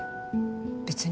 別に。